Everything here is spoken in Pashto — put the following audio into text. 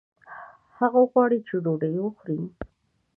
هغه غواړي چې ډوډۍ وخوړي